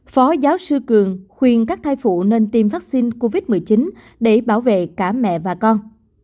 phó giáo sư cường khuyên các thai phụ nên tiêm vaccine covid một mươi chín để bảo vệ cả mẹ và con